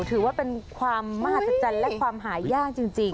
ถือว่าเป็นความมหัศจรรย์และความหายากจริง